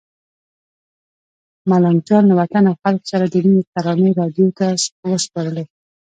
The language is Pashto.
ملنګ جان له وطن او خلکو سره د مینې ترانې راډیو ته وسپارلې.